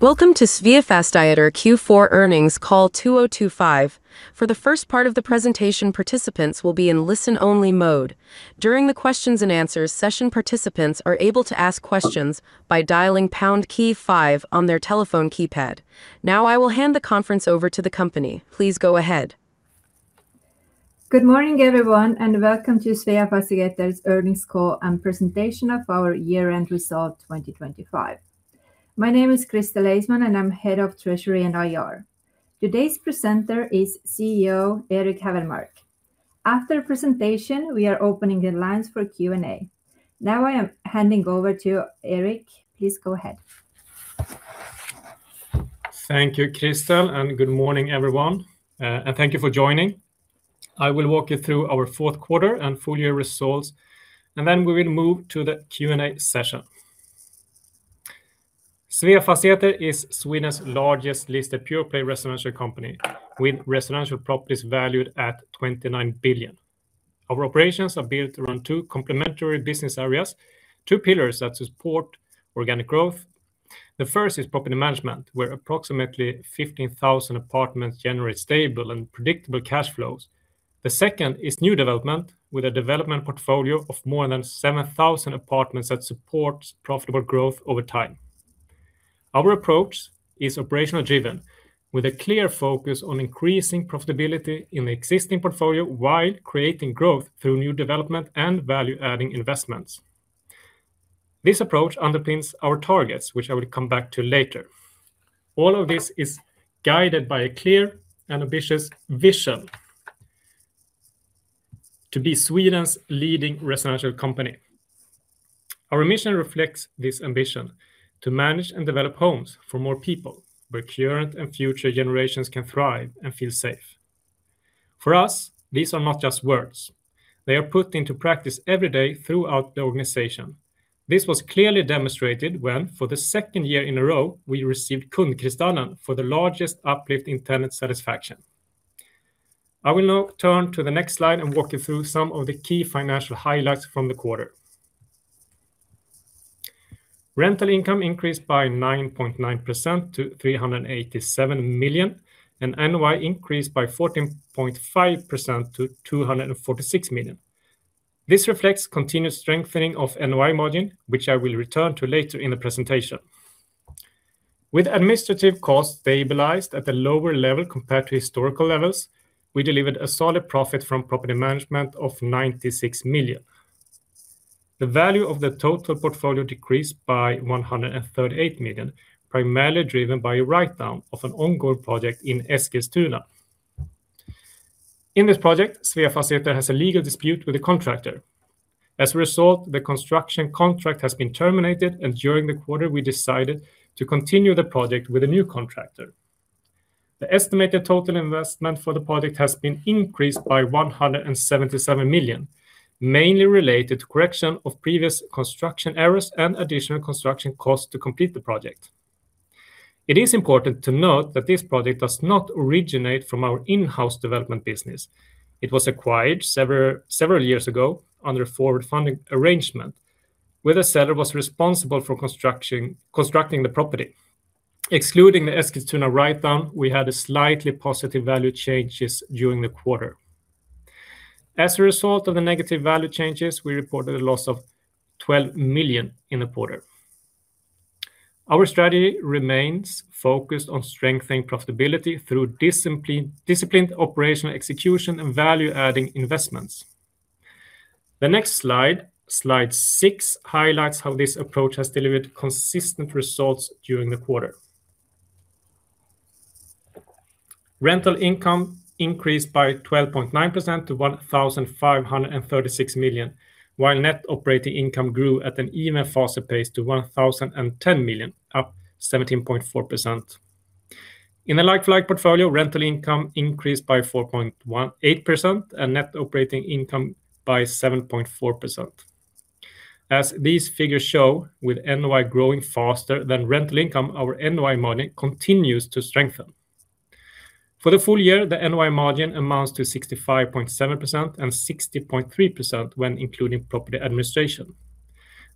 Welcome to Sveafastigheter Q4 Earnings Call 2025. For the first part of the presentation, participants will be in listen-only mode. During the questions and answers session, participants are able to ask questions by dialing pound key five on their telephone keypad. Now, I will hand the conference over to the company. Please go ahead. Good morning, everyone, and welcome to Sveafastigheter's Earnings Call and presentation of our year-end result 2025. My name is Kristel Eismann, and I'm Head of Treasury and IR. Today's presenter is CEO Erik Hävermark. After the presentation, we are opening the lines for Q&A. Now, I am handing over to Erik. Please go ahead. Thank you, Kristel, and good morning, everyone, and thank you for joining. I will walk you through our fourth quarter and full year results, and then we will move to the Q&A session. Sveafastigheter is Sweden's largest listed pure-play residential company, with residential properties valued at 29 billion. Our operations are built around two complementary business areas, two pillars that support organic growth. The first is property management, where approximately 15,000 apartments generate stable and predictable cash flows. The second is new development, with a development portfolio of more than 7,000 apartments that supports profitable growth over time. Our approach is operational driven, with a clear focus on increasing profitability in the existing portfolio, while creating growth through new development and value-adding investments. This approach underpins our targets, which I will come back to later. All of this is guided by a clear and ambitious vision: to be Sweden's leading residential company. Our mission reflects this ambition to manage and develop homes for more people, where current and future generations can thrive and feel safe. For us, these are not just words. They are put into practice every day throughout the organization. This was clearly demonstrated when, for the second year in a row, we received Kundkristallen for the largest uplift in tenant satisfaction. I will now turn to the next slide and walk you through some of the key financial highlights from the quarter. Rental income increased by 9.9% to 387 million, and NOI increased by 14.5% to 246 million. This reflects continued strengthening of NOI margin, which I will return to later in the presentation. With administrative costs stabilized at a lower level compared to historical levels, we delivered a solid profit from property management of 96 million. The value of the total portfolio decreased by 138 million, primarily driven by a write-down of an ongoing project in Eskilstuna. In this project, Sveafastigheter has a legal dispute with the contractor. As a result, the construction contract has been terminated, and during the quarter, we decided to continue the project with a new contractor. The estimated total investment for the project has been increased by 177 million, mainly related to correction of previous construction errors and additional construction costs to complete the project. It is important to note that this project does not originate from our in-house development business. It was acquired several, several years ago under a forward funding arrangement, where the seller was responsible for construction, constructing the property. Excluding the Eskilstuna write-down, we had slightly positive value changes during the quarter. As a result of the negative value changes, we reported a loss of 12 million in the quarter. Our strategy remains focused on strengthening profitability through discipline, disciplined operational execution, and value-adding investments. The next slide, slide 6, highlights how this approach has delivered consistent results during the quarter. Rental income increased by 12.9% to 1,536 million, while net operating income grew at an even faster pace to 1,010 million, up 17.4%. In a like-for-like portfolio, rental income increased by 4.18%, and net operating income by 7.4%. As these figures show, with NOI growing faster than rental income, our NOI margin continues to strengthen. For the full year, the NOI margin amounts to 65.7% and 60.3% when including property administration.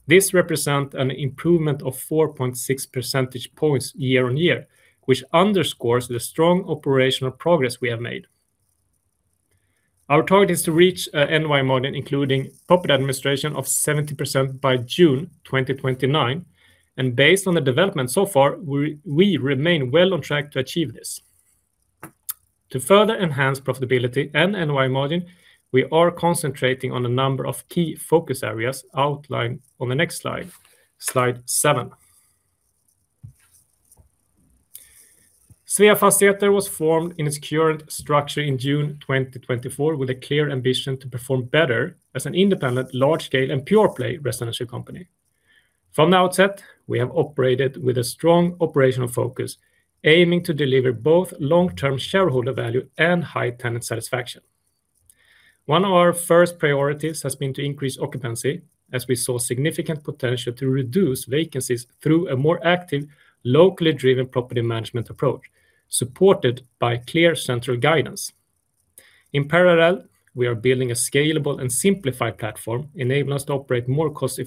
This represent an improvement of 4.6 percentage points year-on-year, which underscores the strong operational progress we have made. Our target is to reach a NOI margin, including property administration, of 70% by June 2029, and based on the development so far, we remain well on track to achieve this. To further enhance profitability and NOI margin, we are concentrating on a number of key focus areas outlined on the next slide, slide seven. Sveafastigheter was formed in its current structure in June 2024, with a clear ambition to perform better as an independent, large-scale, and pure-play residential company. From the outset, we have operated with a strong operational focus, aiming to deliver both long-term shareholder value and high tenant satisfaction. One of our first priorities has been to increase occupancy, as we saw significant potential to reduce vacancies through a more active, locally driven property management approach, supported by clear central guidance.... In parallel, we are building a scalable and simplified platform, enable us to operate more cost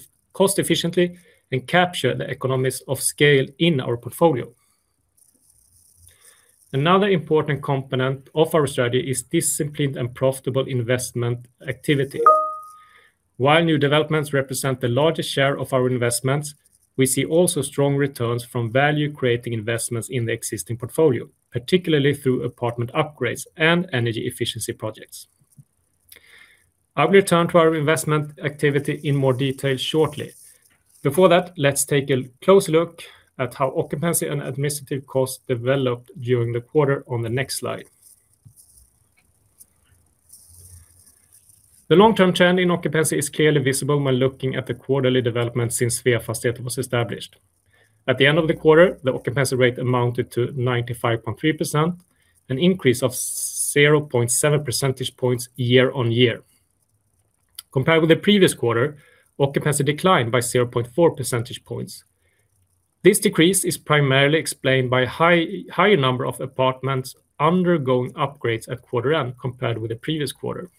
efficiently, and capture the economies of scale in our portfolio. Another important component of our strategy is disciplined and profitable investment activity. While new developments represent the largest share of our investments, we see also strong returns from value-creating investments in the existing portfolio, particularly through apartment upgrades and energy efficiency projects. I will return to our investment activity in more detail shortly. Before that, let's take a close look at how occupancy and administrative costs developed during the quarter on the next slide. The long-term trend in occupancy is clearly visible when looking at the quarterly development since Sveafastigheter was established. At the end of the quarter, the occupancy rate amounted to 95.3%, an increase of 0.7 percentage points year-on-year. Compared with the previous quarter, occupancy declined by 0.4 percentage points. This decrease is primarily explained by higher number of apartments undergoing upgrades at quarter end, compared with the previous quarter.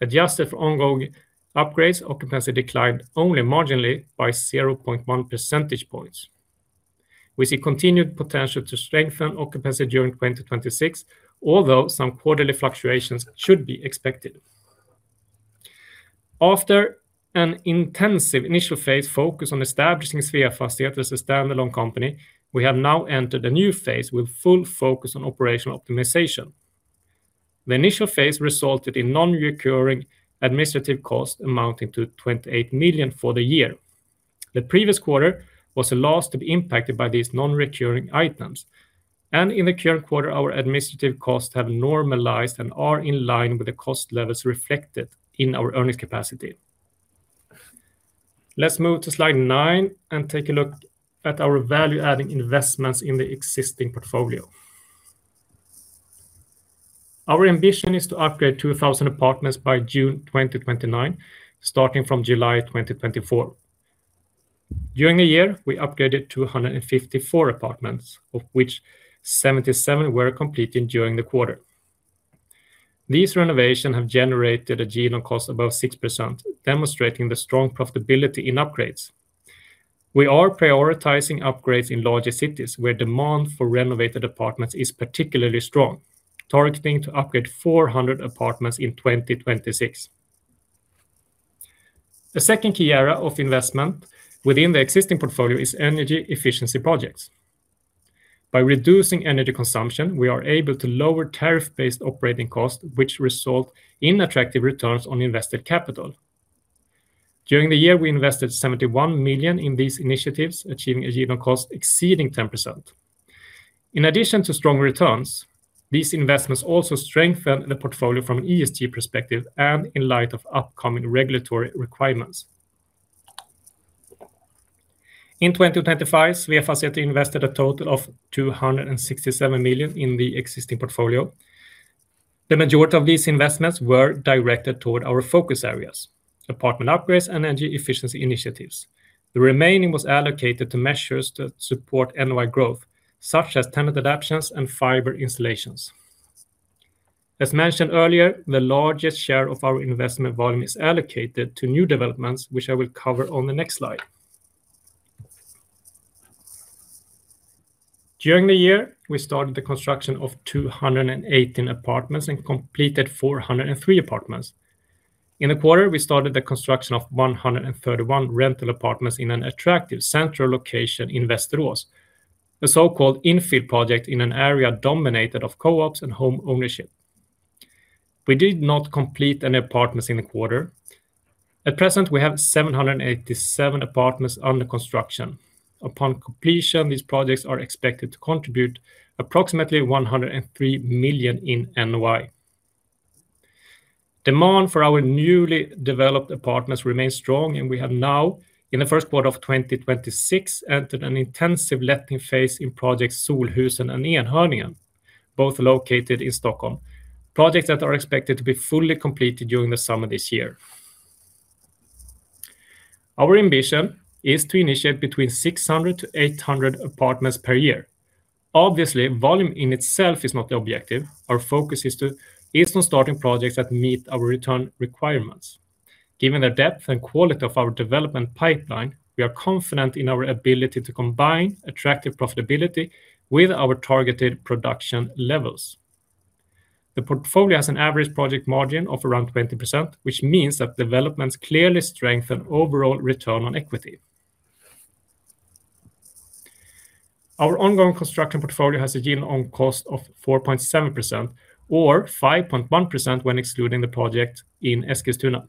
Adjusted for ongoing upgrades, occupancy declined only marginally by 0.1 percentage points. We see continued potential to strengthen occupancy during 2026, although some quarterly fluctuations should be expected. After an intensive initial phase focused on establishing Sveafastigheter as a standalone company, we have now entered a new phase with full focus on operational optimization. The initial phase resulted in non-recurring administrative costs amounting to 28 million for the year. The previous quarter was the last to be impacted by these non-recurring items, and in the current quarter, our administrative costs have normalized and are in line with the cost levels reflected in our earnings capacity. Let's move to slide 9 and take a look at our value-adding investments in the existing portfolio. Our ambition is to upgrade 2,000 apartments by June 2029, starting from July 2024. During the year, we upgraded to 154 apartments, of which 77 were completed during the quarter. These renovations have generated a yield on cost above 6%, demonstrating the strong profitability in upgrades. We are prioritizing upgrades in larger cities, where demand for renovated apartments is particularly strong, targeting to upgrade 400 apartments in 2026. The second key area of investment within the existing portfolio is energy efficiency projects. By reducing energy consumption, we are able to lower tariff-based operating costs, which result in attractive returns on invested capital. During the year, we invested 71 million in these initiatives, achieving a yield on cost exceeding 10%. In addition to strong returns, these investments also strengthen the portfolio from an ESG perspective and in light of upcoming regulatory requirements. In 2025, Sveafastigheter invested a total of 267 million in the existing portfolio. The majority of these investments were directed toward our focus areas, apartment upgrades and energy efficiency initiatives. The remaining was allocated to measures that support NOI growth, such as tenant adoptions and fiber installations. As mentioned earlier, the largest share of our investment volume is allocated to new developments, which I will cover on the next slide. During the year, we started the construction of 218 apartments and completed 403 apartments. In the quarter, we started the construction of 131 rental apartments in an attractive central location in Västerås, the so-called infill project in an area dominated of co-ops and homeownership. We did not complete any apartments in the quarter. At present, we have 787 apartments under construction. Upon completion, these projects are expected to contribute approximately 103 million in NOI. Demand for our newly developed apartments remains strong, and we have now, in the first quarter of 2026, entered an intensive letting phase in project Solhusen and Enhörningen, both located in Stockholm. Projects that are expected to be fully completed during the summer this year. Our ambition is to initiate between 600-800 apartments per year. Obviously, volume in itself is not the objective. Our focus is on starting projects that meet our return requirements. Given the depth and quality of our development pipeline, we are confident in our ability to combine attractive profitability with our targeted production levels. The portfolio has an average project margin of around 20%, which means that developments clearly strengthen overall return on equity. Our ongoing construction portfolio has a yield on cost of 4.7%, or 5.1% when excluding the project in Eskilstuna.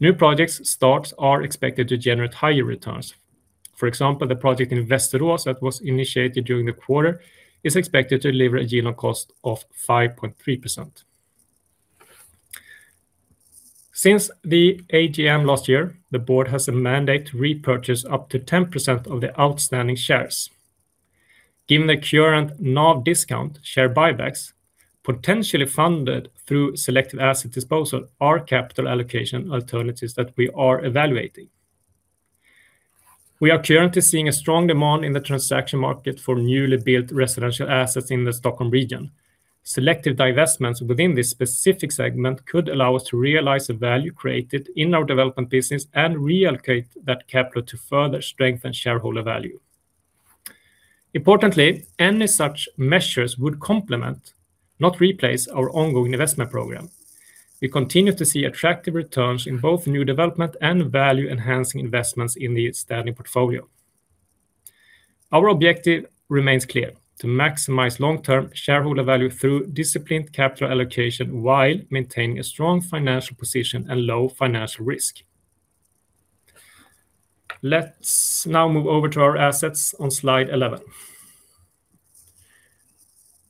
New projects starts are expected to generate higher returns. For example, the project in Västerås that was initiated during the quarter is expected to deliver a yield on cost of 5.3%. Since the AGM last year, the board has a mandate to repurchase up to 10% of the outstanding shares. Given the current NAV discount, share buybacks, potentially funded through selective asset disposal, are capital allocation alternatives that we are evaluating.... We are currently seeing a strong demand in the transaction market for newly built residential assets in the Stockholm region. Selective divestments within this specific segment could allow us to realize the value created in our development business and reallocate that capital to further strengthen shareholder value. Importantly, any such measures would complement, not replace, our ongoing investment program. We continue to see attractive returns in both new development and value-enhancing investments in the standing portfolio. Our objective remains clear: to maximize long-term shareholder value through disciplined capital allocation, while maintaining a strong financial position and low financial risk. Let's now move over to our assets on slide 11.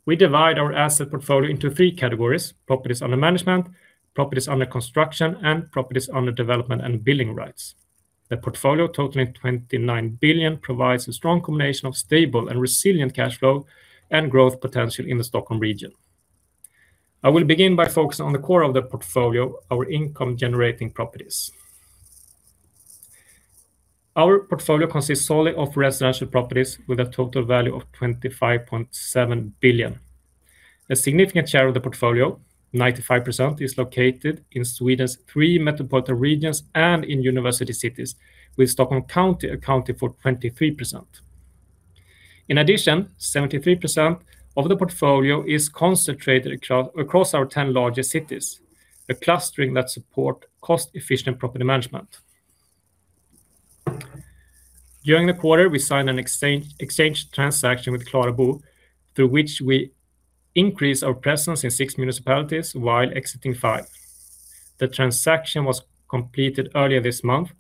We divide our asset portfolio into three categories: properties under management, properties under construction, and properties under development and building rights. The portfolio, totaling 29 billion, provides a strong combination of stable and resilient cash flow and growth potential in the Stockholm region. I will begin by focusing on the core of the portfolio, our income-generating properties. Our portfolio consists solely of residential properties, with a total value of 25.7 billion. A significant share of the portfolio, 95%, is located in Sweden's three metropolitan regions and in university cities, with Stockholm County accounting for 23%. In addition, 73% of the portfolio is concentrated across our 10 largest cities, a clustering that support cost-efficient property management. During the quarter, we signed an exchange transaction with KlaraBo, through which we increased our presence in 6 municipalities while exiting five. The transaction was completed earlier this month,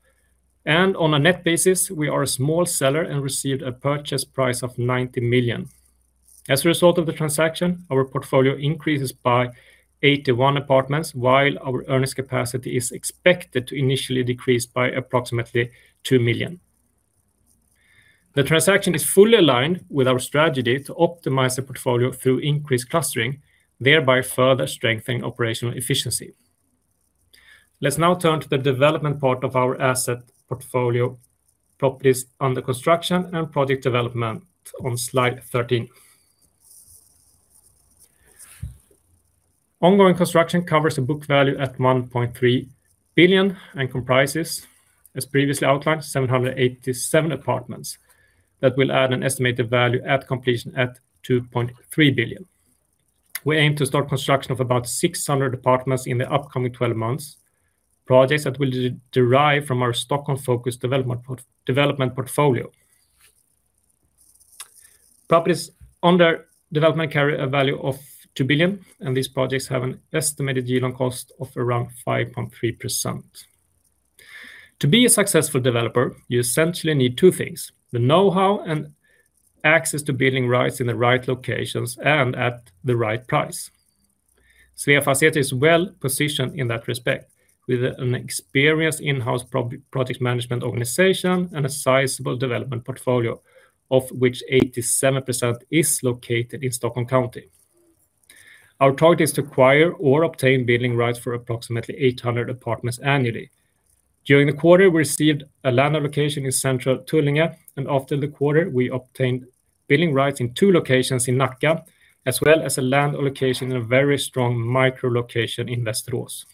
and on a net basis, we are a small seller and received a purchase price of 90 million. As a result of the transaction, our portfolio increases by 81 apartments, while our earnings capacity is expected to initially decrease by approximately 2 million. The transaction is fully aligned with our strategy to optimize the portfolio through increased clustering, thereby further strengthening operational efficiency. Let's now turn to the development part of our asset portfolio, properties under construction and project development on slide 13. Ongoing construction covers a book value at 1.3 billion and comprises, as previously outlined, 787 apartments that will add an estimated value at completion at 2.3 billion. We aim to start construction of about 600 apartments in the upcoming 12 months, projects that will derive from our Stockholm-focused development portfolio. Properties under development carry a value of 2 billion, and these projects have an estimated yield on cost of around 5.3%. To be a successful developer, you essentially need two things: the know-how and access to building rights in the right locations and at the right price. Sveafastigheter is well positioned in that respect, with an experienced in-house project management organization and a sizable development portfolio, of which 87% is located in Stockholm County. Our target is to acquire or obtain building rights for approximately 800 apartments annually. During the quarter, we received a land allocation in central Tullinge, and after the quarter, we obtained building rights in two locations in Nacka, as well as a land allocation in a very strong micro location in Västerås.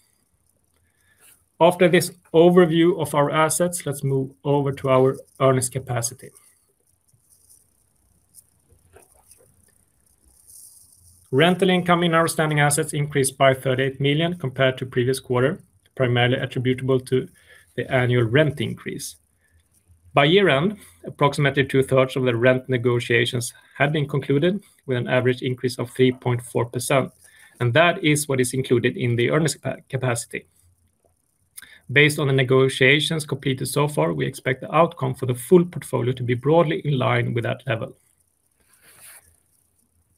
After this overview of our assets, let's move over to our earnings capacity. Rental income in our standing assets increased by 38 million compared to previous quarter, primarily attributable to the annual rent increase. By year-end, approximately two-thirds of the rent negotiations had been concluded, with an average increase of 3.4%, and that is what is included in the earnings capacity. Based on the negotiations completed so far, we expect the outcome for the full portfolio to be broadly in line with that level.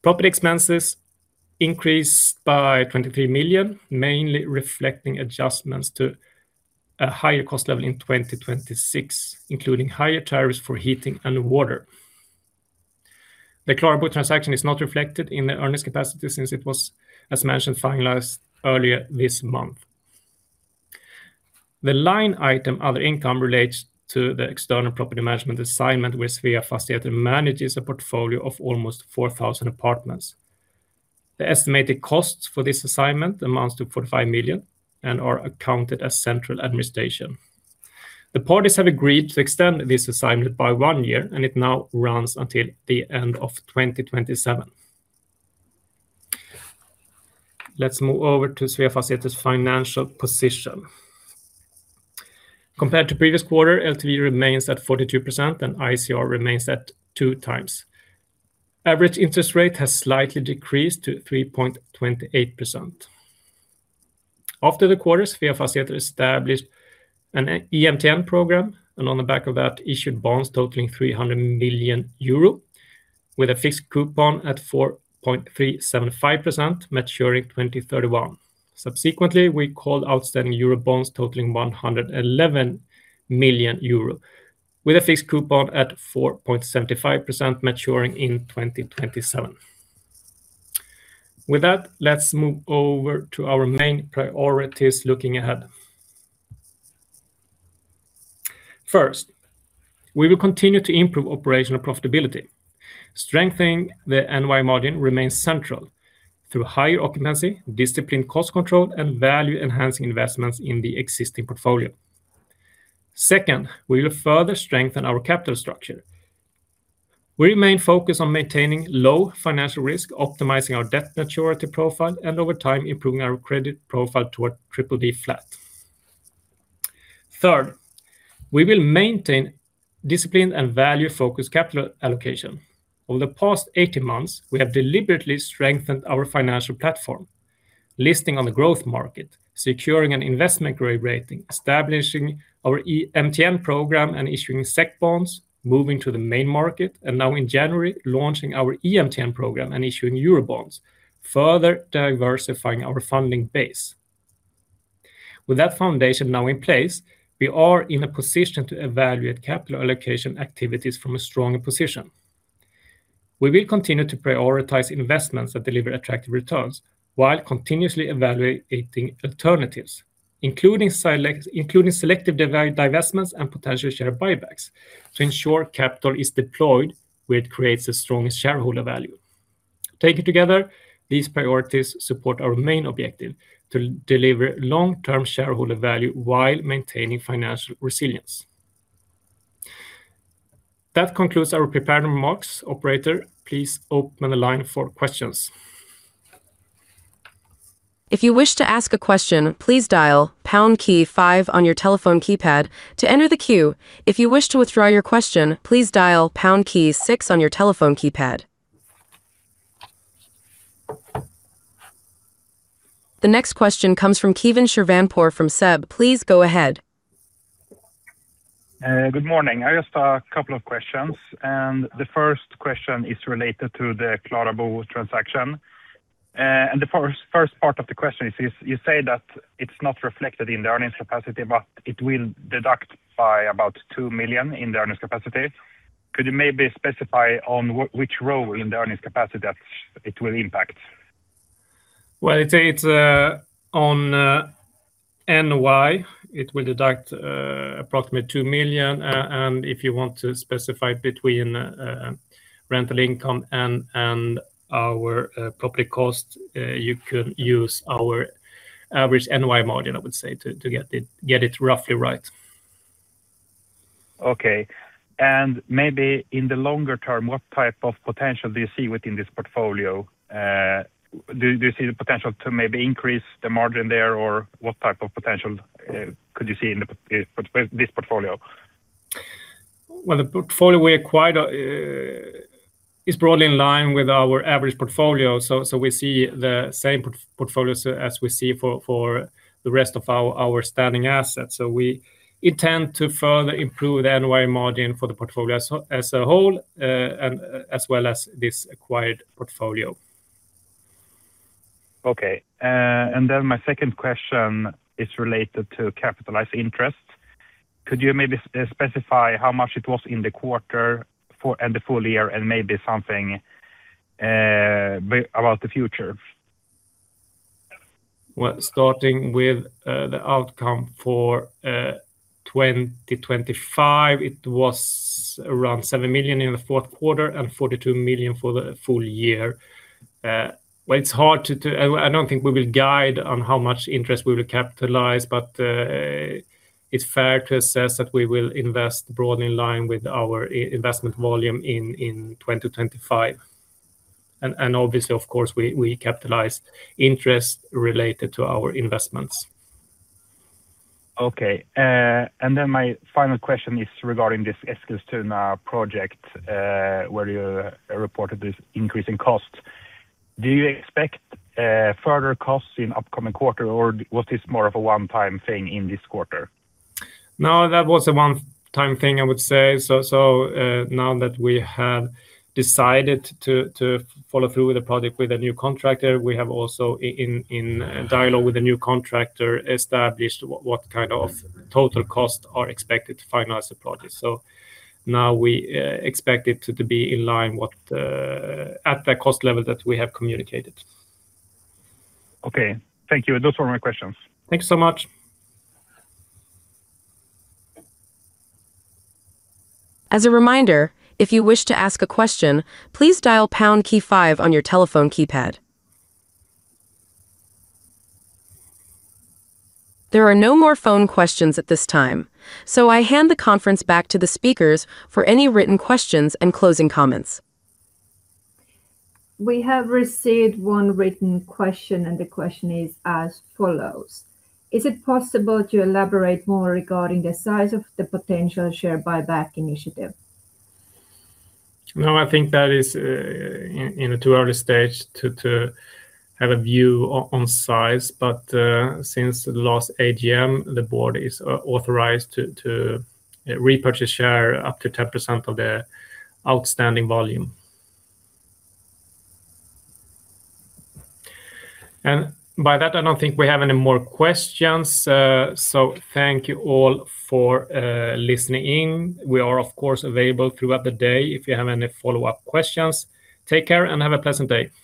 Property expenses increased by 23 million, mainly reflecting adjustments to a higher cost level in 2026, including higher tariffs for heating and water. The KlaraBo transaction is not reflected in the earnings capacity since it was, as mentioned, finalized earlier this month. The line item, other income, relates to the external property management assignment, where Sveafastigheter manages a portfolio of almost 4,000 apartments. The estimated costs for this assignment amounts to 45 million and are accounted as central administration. The parties have agreed to extend this assignment by one year, and it now runs until the end of 2027. Let's move over to Sveafastigheter's financial position. Compared to previous quarter, LTV remains at 42%, and ICR remains at 2x. Average interest rate has slightly decreased to 3.28%. After the quarter, Sveafastigheter established an EMTN program, and on the back of that, issued bonds totaling 300 million euro, with a fixed coupon at 4.375%, maturing in 2031. Subsequently, we called outstanding euro bonds totaling 111 million euro, with a fixed coupon at 4.75%, maturing in 2027. With that, let's move over to our main priorities looking ahead. First, we will continue to improve operational profitability. Strengthening the NOI margin remains central through higher occupancy, disciplined cost control, and value-enhancing investments in the existing portfolio. Second, we will further strengthen our capital structure. We remain focused on maintaining low financial risk, optimizing our debt maturity profile, and over time, improving our credit profile toward BBB flat. Third, we will maintain disciplined and value-focused capital allocation. Over the past 18 months, we have deliberately strengthened our financial platform, listing on the growth market, securing an investment-grade rating, establishing our EMTN program, and issuing SEK bonds, moving to the main market, and now in January, launching our EMTN program and issuing Euro bonds, further diversifying our funding base. With that foundation now in place, we are in a position to evaluate capital allocation activities from a stronger position. We will continue to prioritize investments that deliver attractive returns, while continuously evaluating alternatives, including selective divestments and potential share buybacks, to ensure capital is deployed where it creates the strongest shareholder value. Taken together, these priorities support our main objective, to deliver long-term shareholder value while maintaining financial resilience. That concludes our prepared remarks. Operator, please open the line for questions. If you wish to ask a question, please dial pound key five on your telephone keypad to enter the queue. If you wish to withdraw your question, please dial pound key six on your telephone keypad. The next question comes from Keivan Shirvanpour from SEB. Please go ahead. Good morning. I just have a couple of questions, and the first question is related to the KlaraBo transaction. And the first part of the question is, you say that it's not reflected in the earnings capacity, but it will deduct by about 2 million in the earnings capacity. Could you maybe specify on which role in the earnings capacity that it will impact? Well, it's on NOI. It will deduct approximately 2 million. If you want to specify between rental income and our public cost, you can use our average NOI margin, I would say, to get it roughly right. Okay. Maybe in the longer term, what type of potential do you see within this portfolio? Do you see the potential to maybe increase the margin there? Or what type of potential could you see in this portfolio? Well, the portfolio we acquired is broadly in line with our average portfolio, so we see the same portfolio so as we see for the rest of our standing assets. So we intend to further improve the NOI margin for the portfolio as a whole, and as well as this acquired portfolio. Okay. And then my second question is related to capitalized interest. Could you maybe specify how much it was in the quarter and the full year, and maybe something about the future? Well, starting with the outcome for 2025, it was around 7 million in the fourth quarter and 42 million for the full year. Well, it's hard to... I don't think we will guide on how much interest we will capitalize, but it's fair to assess that we will invest broadly in line with our investment volume in 2025. And obviously, of course, we capitalize interest related to our investments. Okay, and then my final question is regarding this Eskilstuna project, where you reported this increase in cost. Do you expect further costs in upcoming quarter, or was this more of a one-time thing in this quarter? No, that was a one-time thing, I would say. So, now that we have decided to follow through with the project with a new contractor, we have also in dialogue with the new contractor established what kind of total costs are expected to finalize the project. So now we expect it to be in line what at the cost level that we have communicated. Okay. Thank you. Those were my questions. Thank you so much. As a reminder, if you wish to ask a question, please dial pound key five on your telephone keypad. There are no more phone questions at this time, so I hand the conference back to the speakers for any written questions and closing comments. We have received one written question, and the question is as follows: Is it possible to elaborate more regarding the size of the potential share buyback initiative? No, I think that is in a too early stage to have a view on size, but since the last AGM, the board is authorized to repurchase share up to 10% of the outstanding volume. By that, I don't think we have any more questions, so thank you all for listening in. We are, of course, available throughout the day if you have any follow-up questions. Take care and have a pleasant day.